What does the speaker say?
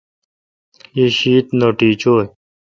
یی شیتھ نوٹی چوی۔